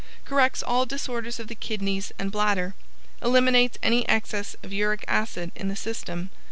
Corrects all disorders of the Kidneys and Bladder. Eliminates any excess of Uric Acid in the system.